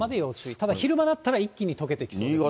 ただ昼間になったら一気にとけてきそうですね。